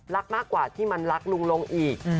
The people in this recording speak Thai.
รักมากกว่าที่มันรักลุงลงอีก